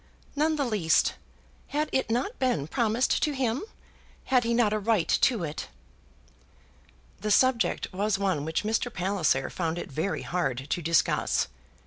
"None the least. Had it not been promised to him? Had he not a right to it?" The subject was one which Mr. Palliser found it very hard to discuss.